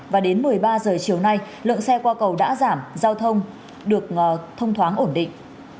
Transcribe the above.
và đến một mươi ba h chiều nay lượng xe qua cầu đã giảm giao thông được thông thoáng ổn định